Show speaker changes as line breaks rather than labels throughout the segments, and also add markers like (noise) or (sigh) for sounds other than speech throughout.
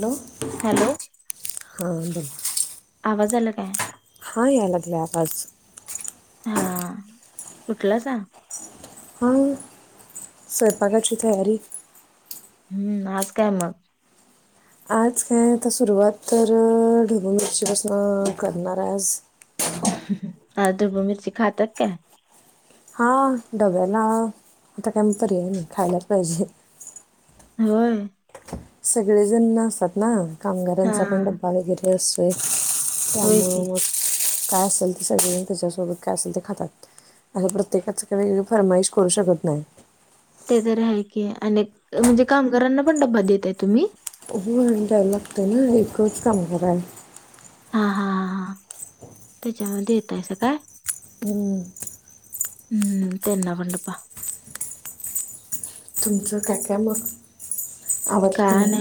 Hello
hello
हा बोल.
आवाज आला काय.
हो यायला लागलाय आवाज.
हा उटलासां
हां स्वापाकाची तयारी.
हम्म आज काय मग.
आज काय आता सुरुवात तर ढबूमिरचीपासून करणार आज.
अ दुब्बूमिरची खातात काय?
हा डब्याला आता काय पर्याय नाही खायलाच पाहिजे.
होय.
सगळे जण नसतात ना.
हा
कामगारांचा पण डबा वगैरे असतोय. ते-
होय की
चल- काय असेल ते सगळेजण त्याच्यासोबत काय असेल ते खातात असं प्रत्येकाच काही वेगळी फरमाईश करू शकत नाही-
ते तर आहे की अ म्हणजे कामगारांना पण डबा देत आहे तुम्ही-
उ आणि डेव्हलपत ना एकच काम करा आहे-
हा हा ह हा त्याच्यामध्ये येतयचं काय-
हम्म.
हम् तेना पडप-
तुमचं काका मग- आवरलं की नाही?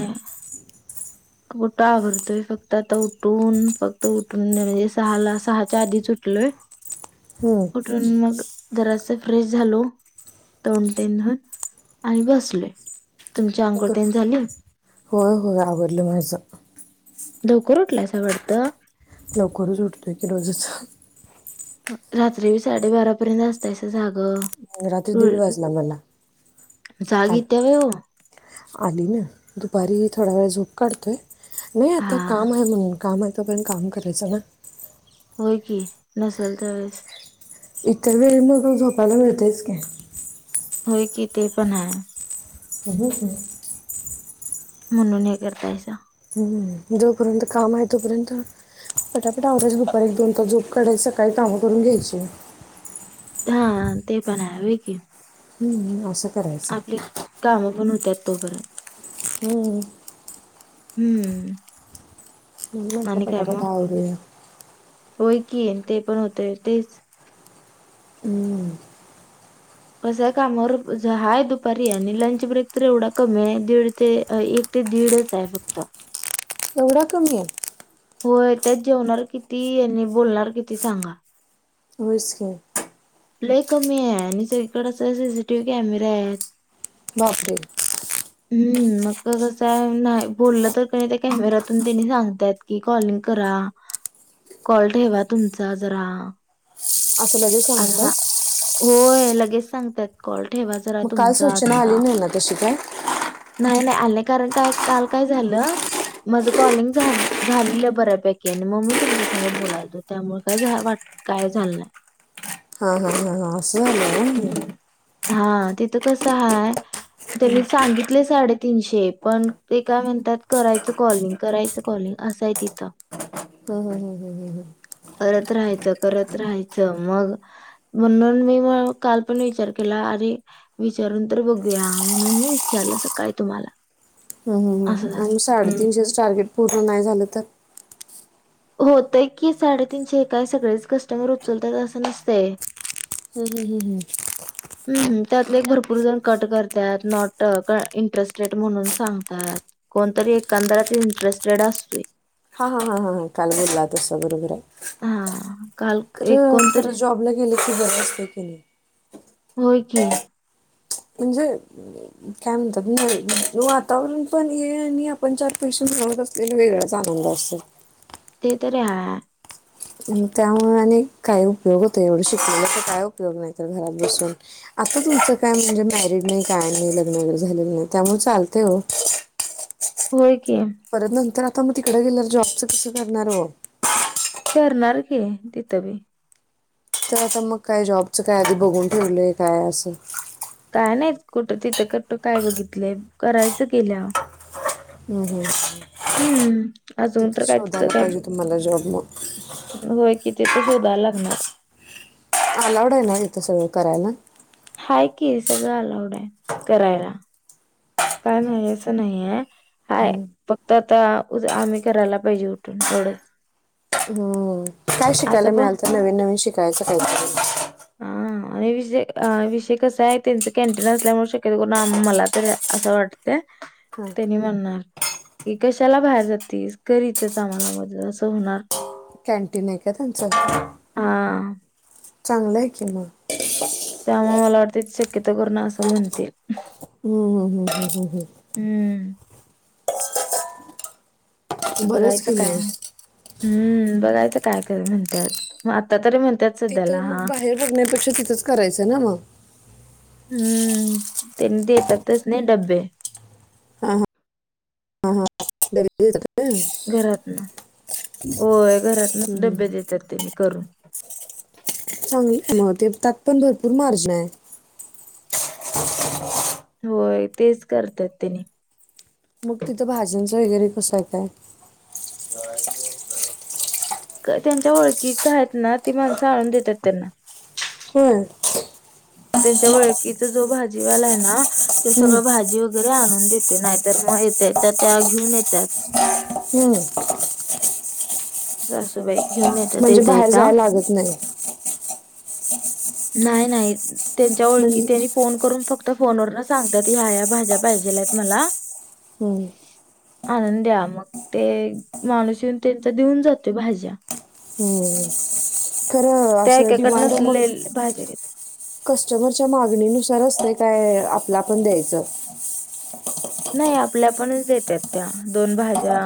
कुठं आवरतोय फक्त आता उठून फक्त उठून म्हणजे सहा ला सहाच्या आधीच उठलोय-
हम्म.
कुठून मग- जरासा फ्रेश झालो तोंनटन धन आणि बसले तुमच्या अंकोठ्यान झाले-
होय होय आवरलं माझं-
लवकर उठला अस वाटतं -
लवकरच उठतोय की रोजच-
रात्री साडेबारापर्यंत असतायसं जागं-
रात्री दीड
उ-
वाजला मला-
जाग
काल
येत्या व्हय ओ -
आली ना दुपारी थोडा वेळा झोप काढतोय- नाही आता
हा.
काम आहे म्हणून काम आहे- तो पण काम करायचं ना-
हो की नसल त्या वेळेस-
इतर वेळी म त झोपायला मिळतेच का-
होय की ते पणय-
तभूत-
म्हणून हे करतायस-
हम्म जोपर्यंत काम आहे तोपर्यंत पटापट आवरा्यास दुपार एक दोन तास झोप काढायची सकाळी काम करून घ्यायची.
हा ते पण आहे की-
हम्म हम् असं. करायचं
आपले काम- म्हणुन त्यात् तोपर्य-
हम्म.
हम्म.
म
आणि काय मग?
फटाफटा आवरा-
होय की ते पण होतेय तेच-
हम्म,
कश्या कामावर हाय दुपारी आणि लंच ब्रेक तर एवढा कमी आहे दीड ते एक ते दीडच आहे फक्त-
एवढा कमी आहे-
होय तेच जेवणार किती आणि बोलणार किती सांगा-
होसक-
लय कमी आहे आणि सगकडे अस सीसीटीव्ही कॅमेरे आहेत-
बापरे.
हम्म मग कस नाही बोललं तर क त्या कॅमेरतून त्यांनी सांगतायत कि कॉलिंग करा कॉल ठेवा तुमचा जरा
असं लगेच
असं
सांगात्यात
सांग होय लगेच सांगतात कॉल, ठेवा जरा
मग काल
तुमचा
सूचना आली
आता.
नाही ना तशी काय?
आल कारण काय काल काय झालं माझ कॉलिंग झाले बऱ्यापैकी आणि मग मी तुमच्या सोबत बोलातो त्यामुळे काय काय झालं नाही.
हा हा हा हा अस झालं होय,
हा तिथं कसं आहे, त्यांनी सांगितल, तथले साडे तीनशे पण ते काय म्हणतात करायचं कॉलिंग करायचं कॉलिंग असंय तिथं,
हं, हं, हं, हं, हं,
करत राहायचं करत राहायचं मग म्हणून मी मग काल पण विचार केला अरे विचारून तर बघूया म्हणून मी विचारलं सकाळी तुम्हाला,
हं, हं,
असं झालं
आणि
हम्म.
साडेतीनशेच टार्गेट पूर्ण नाही झालं तर?
होतय की साडेतीनशे काय सगळेच कस्टमर उचलतात असं नसतंय.
हम् हम हम हम्.
ह्म त्यातले भरपूर जण कट करतात नॉट इंटरेस्टेड म्हणून सांगतात कोणतरी ए इंटरेस्टड असतय.
ह ह ह काल बोला तस बरोबर आहे
हा काल एक
खरं
कोणतरी
तर जॉबला गेलं की बर असत्य, (unintelligible)
होय की,
म्हणजे काय म्हणतात वातावरण पण ये आणि आपण चार पैशात मिळवत असलेला वेगळाच आनंद असतोय.
ते तर रहा ह
मग त्यामुळे आणि काही उपयोग होतो एवढं शिकलेला तर काय उपयोग नाही तर घरात बसून आता तुमचं काय म्हणजे मॅरिड नाही काय नाही लग्न वगैर झालेलं नाही त्यामुळे चालते हो,
हो की
परत नंतर आता मग तिकडे गेल्यावर जॉबचं कसं करणार हो?
करणार की तिथबी,
तर आता मग काय जॉबचं काय आधी बघून ठेवलंय काय असं?
काय नाही कुठं तिथं कटत काय बघितलं करायचं गेल्या वर.
हम् हम्म.
हम्म अजून तर काय तिथं
शोधायला
काय,
पाहिजे तुम्हाला जॉब मग
होय कि त (unintelligible) शोधा लागणार,
आलाउड आहे ना इथं सगळं करायला?
हाकी सगळं अलाउड आहे करायला काय नाही असं नाही आहे हाय फक्त आता आम्ही करायला पाहिजे उठून एवढंच,
हम्म. काय
असं
शिकायला
पण
मिळाल तर नवीन नवीन शिकायचं काहीतरी
हा आणि विषय विषय कसा आहे त्यांचं कॅन्टीन असल्यामुळेणून शक्यता करून आम्हाला तर, असं वाटत
हां
त्यांनी म्हणणार की कशाला बाहेर जातेस करीतच आम्हाला मदत असं होणार,
कॅनटीन आहे का त्यांचं.
हा
चांगलंय कि म.
त्यामुळे मला वाटते शक्यतो करुन असं म्हणतील.
हम्म हम्म हम्म हम्म.
हम्म
हम्म. बरंच
बघायचं
की
काय
मग
हम्म. बघायच काय म्हणतात आता तर म्हण
तिथं मग बाहेर बघण्यापेक्षा तिथंच करायचं ना म.
हम्म त्यांनी ते ततच नाही डब्बे.
दरी (unintelligible)
घरातन होय घरातनच
हम्म,
डबे
हम्म.
देतात त्यांनी करून.
चांगली म ते त्यात पण भरपूर मार्जिन आहे.
होय तेच करतात त्यानी
मग तिथं भाज्यांचं वगैरे कसं आहे काय?
त्यांच्या ओळखीच आहेत ना ती माणसं आणून देतात त्यांना.
होय.
त्यांच्या वळकीचा जो भाजीवाला आहे ना ते
हम्म,
सगळं भाजी वगैरे आन म्हून देते नाहीतर मग येत तर त्या घेऊन येतात.
हम्म.
सासूबाई, घेऊन येतात
म्हणजे
येता
बाहेर
येता
जाय लागत नाही. हो (unintelligible)
नाही नाही. त्यांच्या ओळकी
म्हणजे
त्यानी फोन करून फक्त फोनवर न सांगतात ह्या ह्या भाज्या पाहिजेल आहेत मला.
हम्म
आणूंद्या, मग ते माणूस येऊन त्यांचा देऊन जातोय भाज्या
हम्म. खरं
त्या
अस डिमांड
एकाकडनच
मग,
लय भाज्या घेतात
कस्टमरच्या मागणीनुसार असतंय. काय आपलं आपण द्यायचं
नाही आपल्या आपणच देतात त्या, दोन भाज्या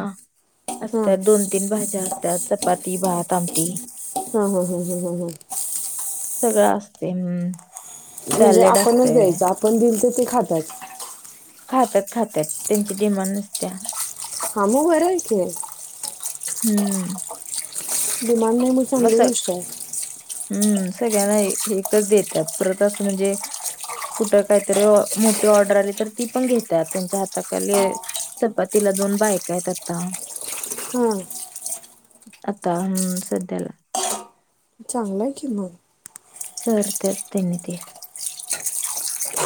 हां
असतात दोन तीन भा अस्तात चपाती भात आमटी
हॊ हॊ हॊ हॊ हॊ हॊ
सगळं असते हम्म
म्हणजे
सॅलेड
आपणच
असतय.
द्यायचं, आपण दिल त ते खातात
खातात खात्यात त्यांची डिमांड नसत्या.
हा मू घैर थ (unintelligible)
हम्म
डिमांड नाही, म
असं हम्म
चांगली
स-
गोष्ट आहे.
हम्म सगळ्यांना एकच देतात, परत असं म्हणजे, कुठे काहीतरी मोठी ऑर्डर आली तर ती पण घेतात, त्यांच्या हाताखाली चपातीला दोन बायका आहेत आता,
हां
आता हूं सद्ध्याला
चांगलंय कि मग
कर तर त्यांनी ते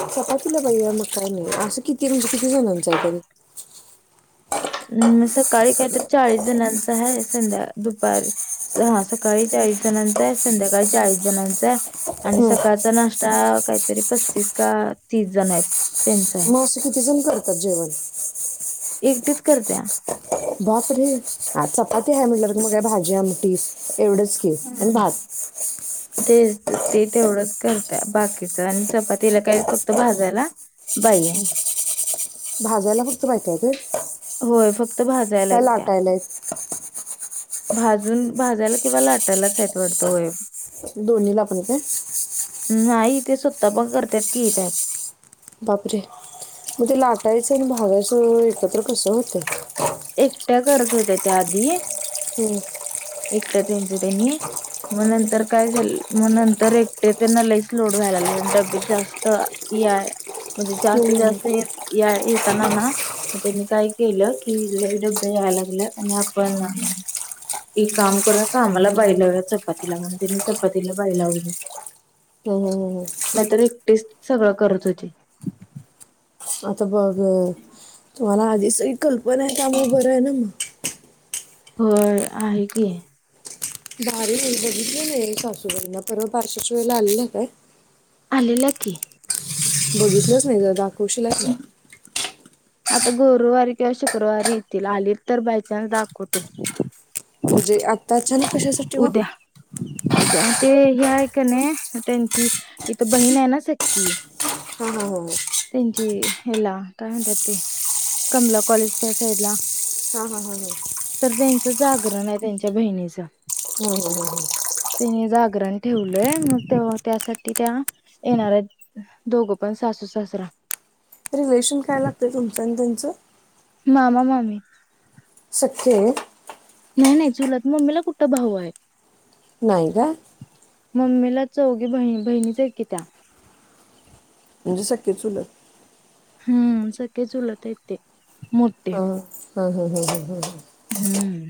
सप तला पाईया मकानी अस (unintelligible) किती म्हणजे किती जणांच हाय तरी?
हम् सकाळी काही तर चाळीस जणांच आहे. संध्या, दुपारी, हा सकाळी चाळीस जणांचा आहे. संध्याकाळी चाळीस जणांचा आहे. आणि
हम्म.
सकाळचा नाश् (unintelligible) काहीतरी पस्तीस का तीस जण आहेत. त्यांचा आहे
मग असं किती जण कर तर जेवण
एकटीच करत्या
बाप रे हाचा (unintelligible) आता ह्या म्हटल (unintelligible) मग काय भाजी आम टिस एवढंच की आणि
हम्म.
भात
तेच, ते तेवढंच करतय बाकीच आणि चपातीला काही फक्त भाजायला बाई आहे.
भाजायला फक्त बायका येतायत,
होय फक्त भाजायला
का
आहेत त्या
लाटायलायत? (inaudible)
भाजून, भाजायला किंवा लाटायलाच आहेत वाटतं, होय
दोन्ही ला पण काय?
नाही, तेे स्वतः पण करत्यात की येतात
बापरे, मग ते लाटायचं आणि भाजाय एकत्रपसं होत
एकट्या करत होत्या त्या आधी
हम्म
ट त्यां त्यांनी मग नंतर काय झालं मग नंतर एकटे त्यांना लईच लोड व्हायला लाग डब्या जास्त या म्हणजे
हम्म,
जास्त
हम्म. हम्म.
जास्त येताना ना काय केलं किले डबे यायला लागलेत आणि आपण एक काम करूया का आमला बाय लावया चपाती ला म्हणून त्यांनी चपातीला बाई लावली
हम ह
नाहीतर एकटीच सगळं करत होते
आता बघ तुम्हाला आधीचही कल्पना आहे त्यामुळे बरं आहे ना मग
होय आहे की
भारीबधनर पार्श्शलाला का
आलेलं की
बघितलंच नाही जर दाखवश
आता गुरुवारी किंवा शुक्रवारी येतील आली तर बायचान्स दाखवतो
म्हणजे आता ल कशासाठी म
उदया ते हे ऐ का नाही त्यांची इथ बहीण आहे ना सक्की
हा हा हा हा हा
त्यांची ह्याला काय म्हणतात. ते कमला कॉलेज त्या साईडला
हा हा
तर त्यांच जागरण आहे त्यांच्या बहिणीच.
हम्
त्यांनी जागरण ठेवलंय मग ते त्यासाठी त्या येणार दोघं पण सासू सासरा.
रेशन कायला. तुमचा आणि त्यांचं.
मामा मामी.
ओके.
नाही नाही चुलात मम्मीला कुठ भाऊ आहे.
नायका.
मम्मीला चौघी ब बहिणीच आहे की त्या.
म्हणजे सखी चुलत.
हम सखे चुलत आहेत ते. मोठे.
हा हा हा हं हं ह हं
हम्म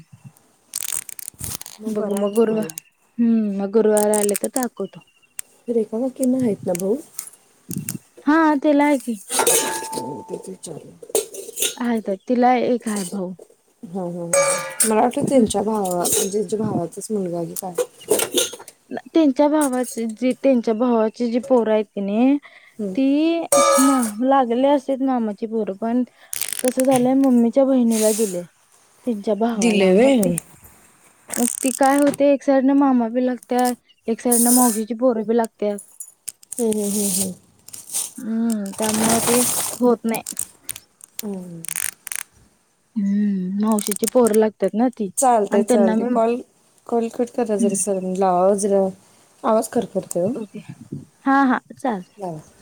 मग
बघ
बरं आहे
मगुर
तुम्हाला
हम्म मग. गुरुवार आले तर दाखवतो.
रेखा काकींना आहेत ना भाऊ
हा आ तेला हाय की.
हो ते त चालेू (unintelligible)
आहेत तिला एक. काय भाऊ
हा हा मला वाटलं त्यांच्या भावा- जेच्याे भावाचाच मुलगाही काय
त्यांच्या भावाचे जी त्यांच्या भावाची जी पोरा आहे कणी. ती. मा लागले असतेच मामाची पोर पण कस झालंय मम्मीच्या बहिणीला दिले. त्यांच्या भावाला
दिले
म
व्हय
ते.
हम्म
मग ती काय होते एक साइडने मामा बी लागते. एक साइडने माशीचे पोरबी लागते.
हम् हम हम् हम्
हम्म त्यामुळे ते होत नाही. हम्म माऊशी ची पोर लागते.
चालते चालते कॉल कॉल कर करा जरा सरलाजरा. आवाज करते.
ओके हा हा
लावा.
चालतय.